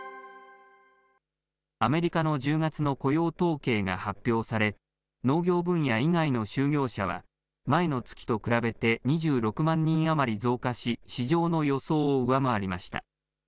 アメリカの１０月の雇用統計が発表され、農業分野以外の就業者は、前の月と比べて２６万人余り増加し、市場の予想を上回りました。